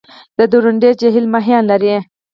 د درونټې جهیل ماهیان لري؟